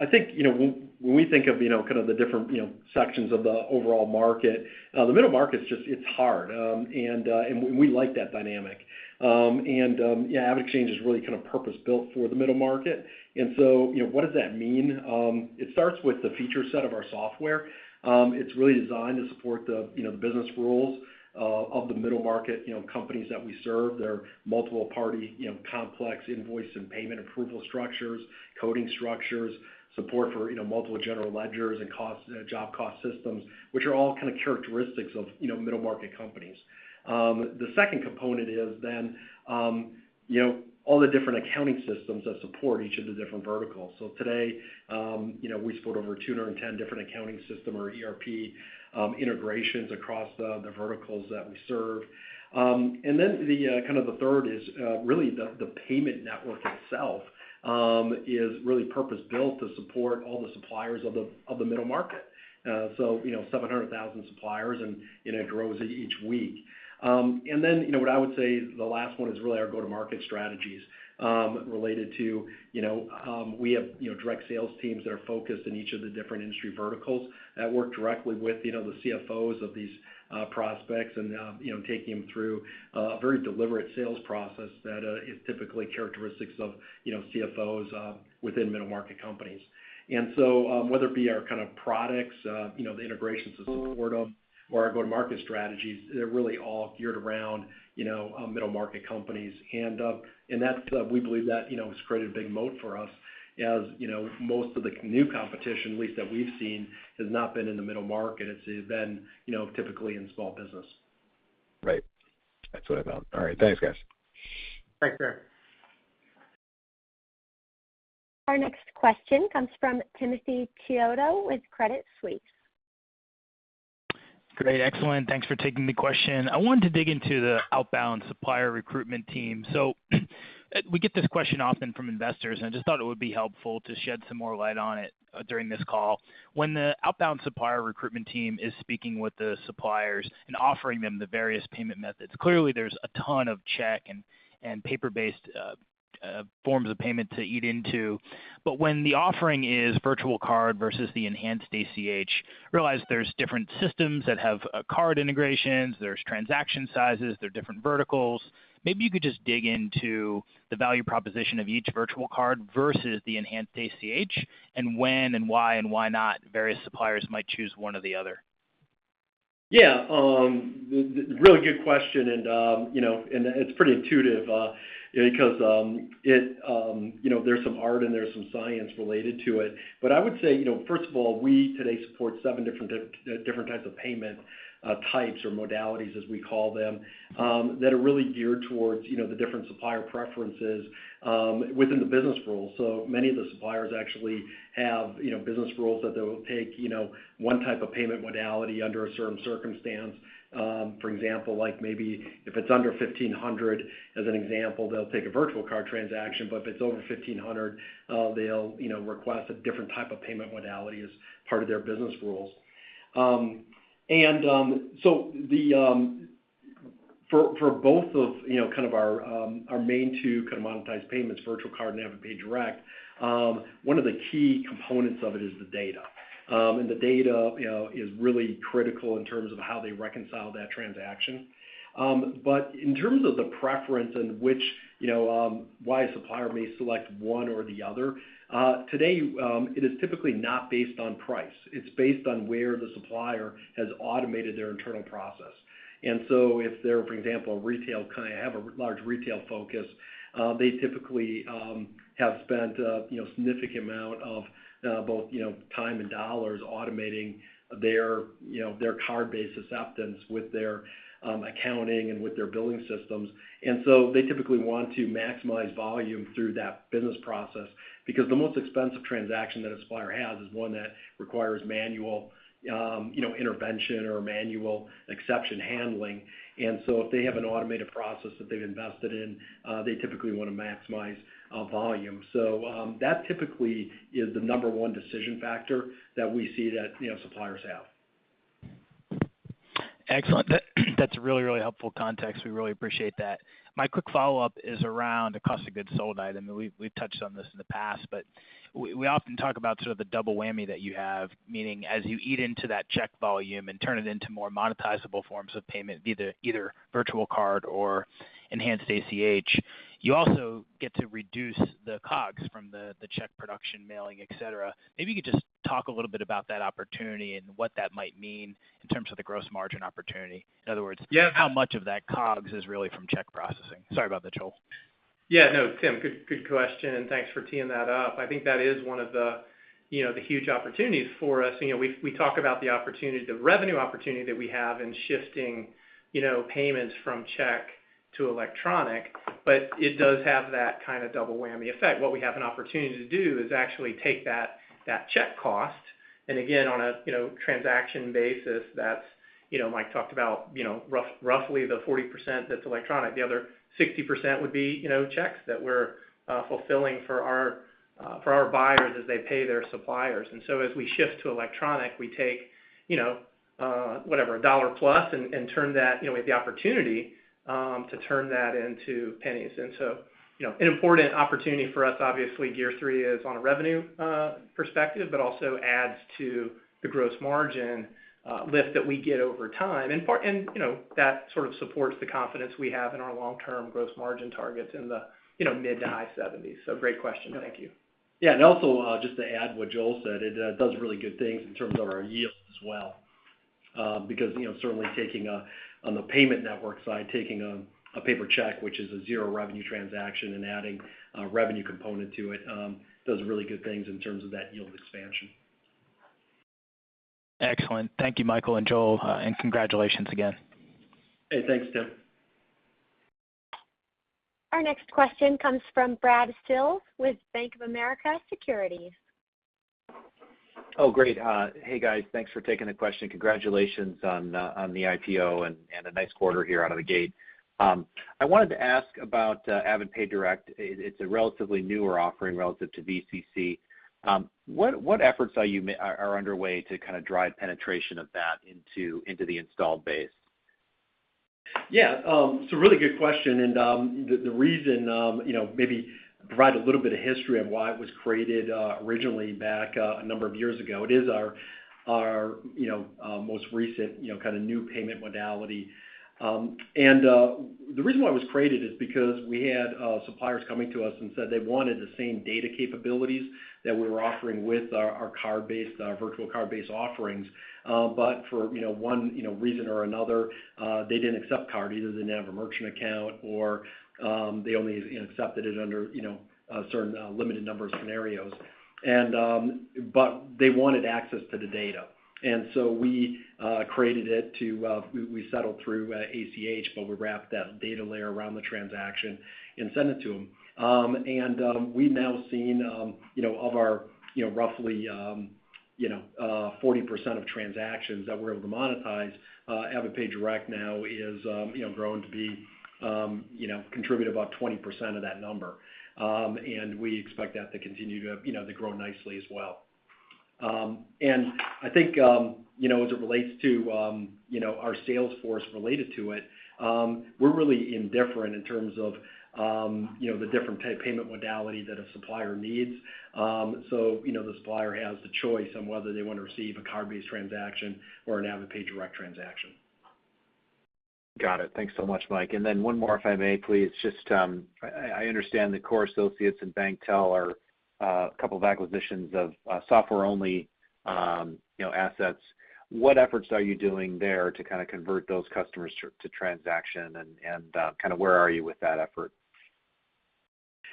I think, you know, when we think of, you know, kind of the different, you know, sections of the overall market, the middle market's just. It's hard. We like that dynamic. Yeah, AvidXchange is really kind of purpose-built for the middle market. You know, what does that mean? It starts with the feature set of our software. It's really designed to support the, you know, the business rules of the middle market, you know, companies that we serve, their multiple party, you know, complex invoice and payment approval structures, coding structures, support for, you know, multiple general ledgers and cost, job cost systems, which are all kind of characteristics of, you know, middle market companies. The second component is all the different accounting systems that support each of the different verticals. Today, you know, we support over 210 different accounting system or ERP integrations across the verticals that we serve. The third is really the payment network itself is really purpose-built to support all the suppliers of the middle market. You know, 700,000 suppliers and, you know, it grows each week. You know, what I would say the last one is really our go-to-market strategies related to you know we have direct sales teams that are focused in each of the different industry verticals that work directly with you know the CFOs of these prospects and you know taking them through a very deliberate sales process that is typically characteristics of you know CFOs within middle market companies. Whether it be our kind of products you know the integrations that support them or our go-to-market strategies, they're really all geared around you know middle market companies. That's, we believe, that has created a big moat for us as you know most of the new competition, at least that we've seen, has not been in the middle market. It's been, you know, typically in small business. Right. That's what I thought. All right. Thanks, guys. Thanks, sir. Our next question comes from Timothy Chiodo with Credit Suisse. Great, excellent. Thanks for taking the question. I wanted to dig into the outbound supplier recruitment team. We get this question often from investors, and I just thought it would be helpful to shed some more light on it during this call. When the outbound supplier recruitment team is speaking with the suppliers and offering them the various payment methods, clearly there's a ton of check and paper-based forms of payment to eat into. When the offering is virtual card versus the enhanced ACH, realize there's different systems that have card integrations, there's transaction sizes, there are different verticals. Maybe you could just dig into the value proposition of each virtual card versus the enhanced ACH and when and why and why not various suppliers might choose one or the other. Yeah. Really good question and, you know, it's pretty intuitive, because, you know, there's some art and there's some science related to it. I would say, you know, first of all, we today support seven different types of payment or modalities, as we call them, that are really geared towards, you know, the different supplier preferences within the business rules. Many of the suppliers actually have, you know, business rules that they'll take, you know, one type of payment modality under a certain circumstance. For example, like maybe if it's under $1,500 as an example, they'll take a virtual card transaction, but if it's over $1,500, they'll, you know, request a different type of payment modality as part of their business rules. For both of you know kind of our main two kind of monetized payments, virtual card and AvidPay Direct, one of the key components of it is the data. The data you know is really critical in terms of how they reconcile that transaction. In terms of the preference in which you know why a supplier may select one or the other, today it is typically not based on price. It's based on where the supplier has automated their internal process. If they're, for example, kinda have a large retail focus, they typically have spent you know significant amount of both you know time and dollars automating their you know their card-based acceptance with their accounting and with their billing systems. They typically want to maximize volume through that business process because the most expensive transaction that a supplier has is one that requires manual, you know, intervention or manual exception handling. If they have an automated process that they've invested in, they typically wanna maximize volume. That typically is the number one decision factor that we see that, you know, suppliers have. Excellent. That's a really helpful context. We really appreciate that. My quick follow-up is around the cost of goods sold item, and we've touched on this in the past, but we often talk about sort of the double whammy that you have, meaning as you eat into that check volume and turn it into more monetizable forms of payment, be either virtual card or enhanced ACH, you also get to reduce the COGS from the check production, mailing, et cetera. Maybe you could just talk a little bit about that opportunity and what that might mean in terms of the gross margin opportunity. In other words. Yeah. How much of that COGS is really from check processing? Sorry about that, Joel. Yeah, no, Tim, good question, and thanks for teeing that up. I think that is one of the, you know, the huge opportunities for us. You know, we talk about the opportunity, the revenue opportunity that we have in shifting, you know, payments from check to electronic, but it does have that kind of double whammy effect. What we have an opportunity to do is actually take that check cost, and again, on a, you know, transaction basis, that's, you know, Mike talked about, you know, roughly the 40% that's electronic. The other 60% would be, you know, checks that we're fulfilling for our buyers as they pay their suppliers. As we shift to electronic, we take, you know, whatever, a dollar plus and turn that, you know, we have the opportunity to turn that into pennies. You know, an important opportunity for us, obviously, year three is on a revenue perspective, but also adds to the gross margin lift that we get over time. You know, that sort of supports the confidence we have in our long-term gross margin targets in the, you know, mid- to high 70s%. Great question. Thank you. Yeah. Also, just to add what Joel said, it does really good things in terms of our yield as well, because, you know, certainly, on the payment network side, taking a paper check, which is a zero revenue transaction and adding a revenue component to it, does really good things in terms of that yield expansion. Excellent. Thank you, Michael and Joel, and congratulations again. Hey, thanks, Tim. Our next question comes from Brad Sills with Bank of America Securities. Oh, great. Hey, guys. Thanks for taking the question. Congratulations on the IPO and a nice quarter here out of the gate. I wanted to ask about AvidPay Direct. It's a relatively newer offering relative to VCC. What efforts are underway to kind of drive penetration of that into the installed base? Yeah. It's a really good question, and the reason, you know, maybe provide a little bit of history on why it was created originally back a number of years ago. It is our most recent, you know, kind of new payment modality. The reason why it was created is because we had suppliers coming to us and said they wanted the same data capabilities that we were offering with our card-based virtual card-based offerings. For, you know, one, you know, reason or another, they didn't accept card. Either they didn't have a merchant account or they only, you know, accepted it under, you know, certain limited number of scenarios. They wanted access to the data. We settled through ACH, but we wrapped that data layer around the transaction and sent it to them. We've now seen you know of our you know roughly 40% of transactions that we're able to monetize. AvidPay Direct now is you know grown to be you know contribute about 20% of that number. We expect that to continue to you know to grow nicely as well. I think you know as it relates to you know our sales force related to it, we're really indifferent in terms of you know the different payment modality that a supplier needs. You know, the supplier has the choice on whether they wanna receive a card-based transaction or an AvidPay Direct transaction. Got it. Thanks so much, Mike. One more, if I may please. Just, I understand that Core Associates and BankTEL are a couple of acquisitions of software-only, you know, assets. What efforts are you doing there to kinda convert those customers to transaction and kinda where are you with that effort?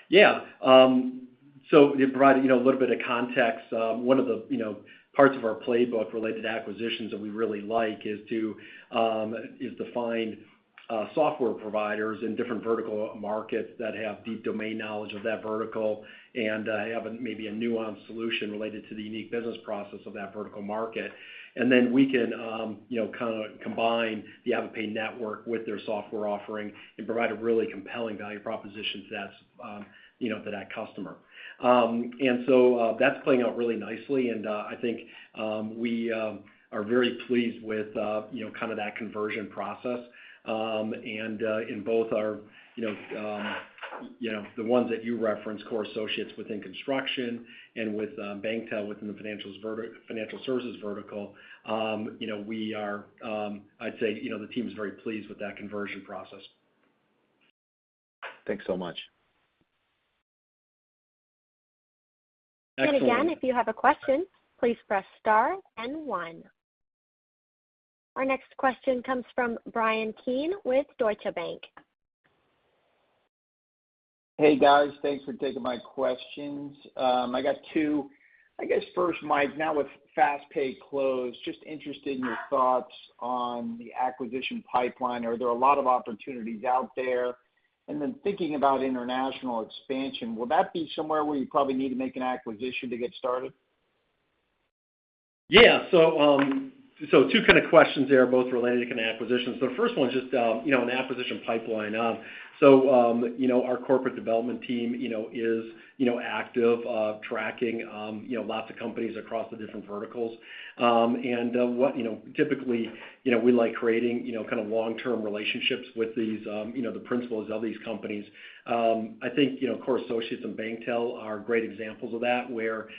Yeah. To provide, you know, a little bit of context, one of the, you know, parts of our playbook related to acquisitions that we really like is to find software providers in different vertical markets that have deep domain knowledge of that vertical and have maybe a nuanced solution related to the unique business process of that vertical market. We can, you know, kinda combine the AvidPay network with their software offering and provide a really compelling value proposition to that, you know, to that customer. That's playing out really nicely, and I think we are very pleased with, you know, kind of that conversion process. In both our, you know, you know, the ones that you referenced, Core Associates within construction and with BankTEL within the financial services vertical, you know, we are, I'd say, you know, the team is very pleased with that conversion process. Thanks so much. Again, if you have a question, please press star and one. Our next question comes from Bryan Keane with Deutsche Bank. Hey, guys. Thanks for taking my questions. I got two. I guess first, Mike, now with FastPay closed, just interested in your thoughts on the acquisition pipeline. Are there a lot of opportunities out there? Thinking about international expansion, will that be somewhere where you probably need to make an acquisition to get started? Yeah. So two kinda questions there, both related to kinda acquisitions. The first one's just, you know, an acquisition pipeline. So, you know, our corporate development team, you know, is, you know, active tracking, you know, lots of companies across the different verticals. What, you know, typically, you know, we like creating, you know, kinda long-term relationships with these, you know, the principals of these companies. I think, you know, Core Associates and BankTEL are great examples of that, where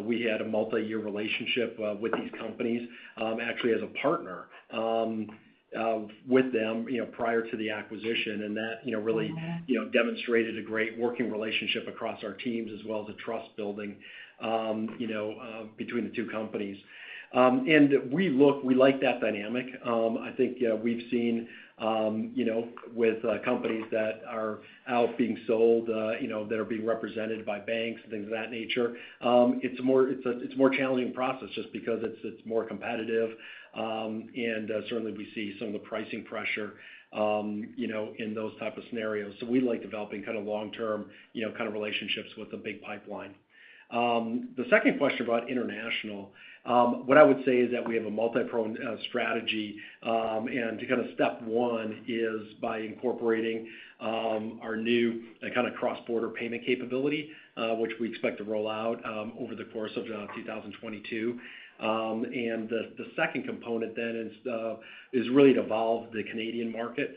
we had a multiyear relationship with these companies, actually as a partner with them, you know, prior to the acquisition. That, you know, really, you know, demonstrated a great working relationship across our teams as well as a trust building, you know, between the two companies. We like that dynamic. I think we've seen, you know, with companies that are out being sold, you know, that are being represented by banks, things of that nature, it's a more challenging process just because it's more competitive. Certainly we see some of the pricing pressure, you know, in those type of scenarios. So we like developing kinda long-term, you know, kind of relationships with a big pipeline. The second question about international, what I would say is that we have a multi-prong strategy. Kind of step one is by incorporating our new and kinda cross-border payment capability, which we expect to roll out over the course of 2022. The second component then is really to evolve the Canadian market.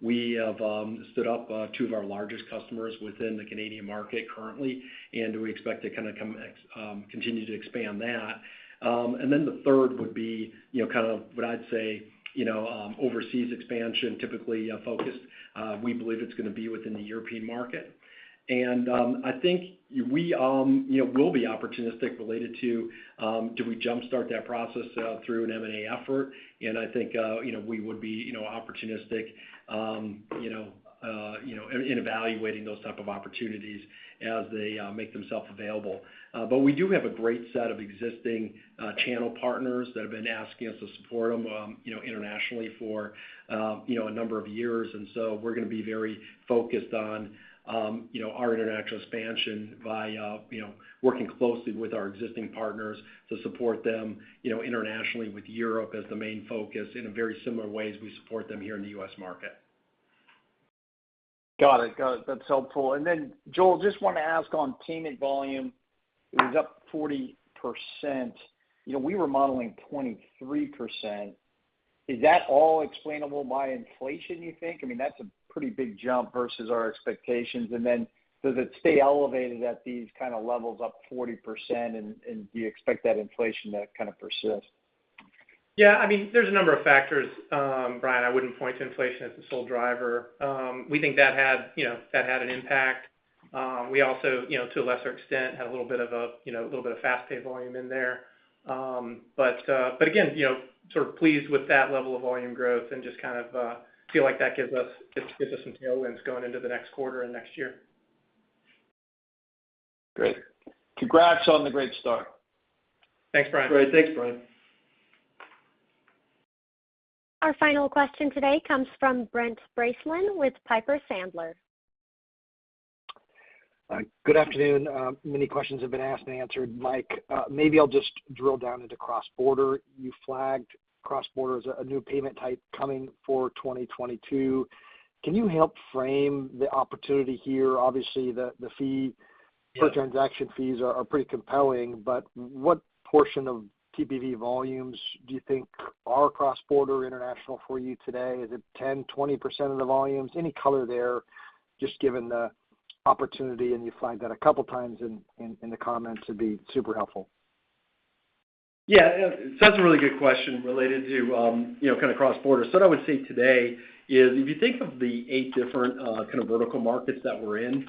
We have stood up two of our largest customers within the Canadian market currently, and we expect to continue to expand that. Then the third would be you know kind of what I'd say you know overseas expansion typically focused. We believe it's gonna be within the European market. I think we you know will be opportunistic related to do we jump-start that process through an M&A effort. I think we would be you know opportunistic you know in evaluating those type of opportunities as they make themselves available. We do have a great set of existing channel partners that have been asking us to support them, you know, internationally for, you know, a number of years. We're gonna be very focused on, you know, our international expansion via, you know, working closely with our existing partners to support them, you know, internationally with Europe as the main focus in a very similar way as we support them here in the U.S. market. Got it. That's helpful. Joel, just wanna ask on payment volume. It was up 40%. You know, we were modeling 23%. Is that all explainable by inflation, you think? I mean, that's a pretty big jump versus our expectations. Does it stay elevated at these kinda levels up 40%, and do you expect that inflation to kind of persist? Yeah. I mean, there's a number of factors, Bryan. I wouldn't point to inflation as the sole driver. We think that had an impact. We also, you know, to a lesser extent, had a little bit of FastPay volume in there. Again, you know, sort of pleased with that level of volume growth and just kind of feel like that gives us some tailwinds going into the next quarter and next year. Great. Congrats on the great start. Thanks, Bryan. Great. Thanks, Bryan. Our final question today comes from Brent Bracelin with Piper Sandler. Good afternoon. Many questions have been asked and answered, Mike. Maybe I'll just drill down into cross-border. You flagged cross-border as a new payment type coming for 2022. Can you help frame the opportunity here? Obviously, the fee- Yeah. Per transaction fees are pretty compelling, but what portion of PPV volumes do you think are cross-border international for you today? Is it 10%, 20% of the volumes? Any color there, just given the opportunity, and you flagged that a couple times in the comments, would be super helpful. Yeah. That's a really good question related to, you know, kinda cross-border. What I would say today is if you think of the eight different, kind of vertical markets that we're in,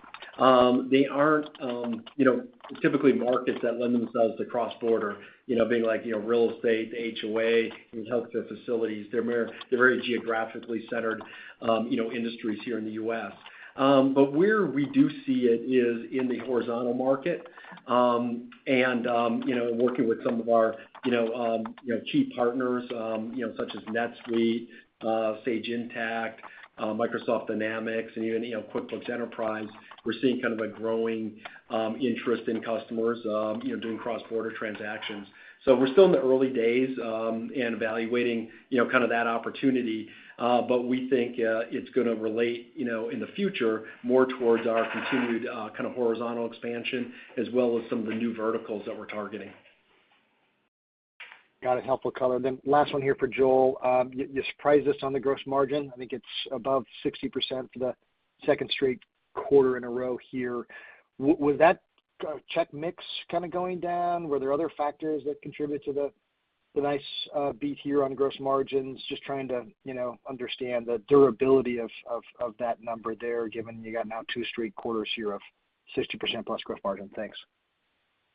they aren't, you know, typically markets that lend themselves to cross-border, you know, being like, you know, real estate, HOA, you know, healthcare facilities. They're very geographically centered, you know, industries here in the U.S. But where we do see it is in the horizontal market, and, you know, working with some of our, you know, key partners, you know, such as NetSuite, Sage Intacct, Microsoft Dynamics, and even, you know, QuickBooks Enterprise. We're seeing kind of a growing, interest in customers, you know, doing cross-border transactions. We're still in the early days and evaluating, you know, kind of that opportunity. We think it's gonna relate, you know, in the future, more towards our continued kind of horizontal expansion as well as some of the new verticals that we're targeting. Got it. Helpful color. Last one here for Joel. You surprised us on the gross margin. I think it's above 60% for the second straight quarter in a row here. Was that check mix kinda going down? Were there other factors that contribute to the nice beat here on gross margins? Just trying to, you know, understand the durability of that number there, given you got now two straight quarters here of 60%+ gross margin. Thanks.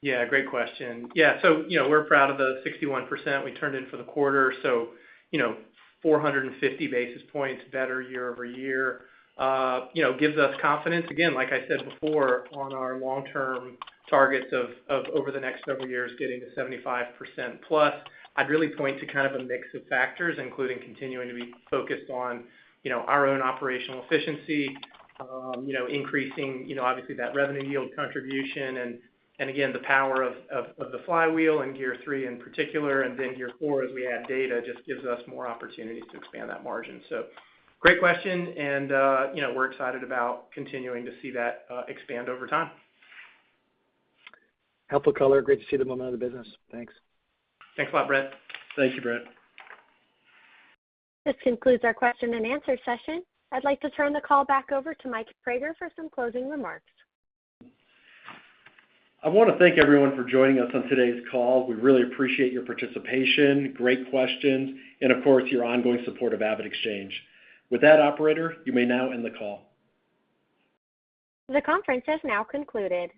Yeah, great question. Yeah, so, you know, we're proud of the 61% we turned in for the quarter. You know, 450 basis points better year-over-year gives us confidence, again, like I said before, on our long-term targets of over the next several years getting to 75%+. I'd really point to kind of a mix of factors, including continuing to be focused on, you know, our own operational efficiency, you know, increasing, you know, obviously that revenue yield contribution and again, the power of the flywheel and gear three in particular, and then gear four as we add data just gives us more opportunities to expand that margin. Great question, and, you know, we're excited about continuing to see that expand over time. Helpful color. Great to see the momentum of the business. Thanks. Thanks a lot, Brent. Thank you, Brent. This concludes our question and answer session. I'd like to turn the call back over to Mike Praeger for some closing remarks. I wanna thank everyone for joining us on today's call. We really appreciate your participation, great questions, and of course, your ongoing support of AvidXchange. With that, operator, you may now end the call. The conference has now concluded.